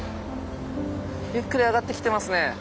ゆっくり上がってきてますね。